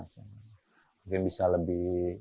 mungkin bisa lebih